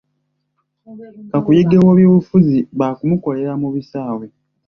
Kakuyege w'ebyobufuzi baakumukolera mu bisaawe.